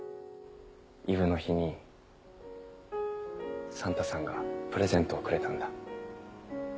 イブの日にサンタさんがプレゼントをくれたんだ。